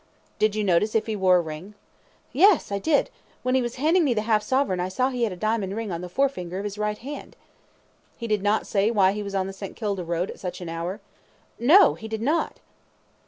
Q. Did you notice if he wore a ring? A. Yes! I did. When he was handing me the half sovereign, I saw he had a diamond ring on the forefinger of his right hand. Q. He did not say why he was on the St. Kilda Road at such an hour? A. No! He did not.